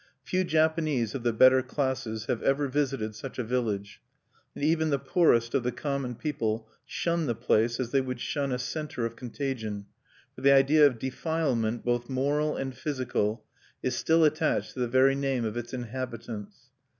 Few Japanese of the better classes have ever visited such a village; and even the poorest of the common people shun the place as they would shun a centre of contagion; for the idea of defilement, both moral and physical, is still attached to the very name of its inhabitants.